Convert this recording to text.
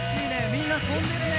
みんなとんでるね。